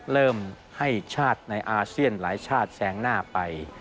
เริ่มให้ชาติในอาเซียนหลายชาติแสงหน้าไป